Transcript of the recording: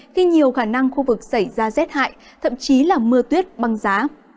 khi nhiều khả năng khu vực xảy ra rét hại thậm chí là mưa tuyết băng giá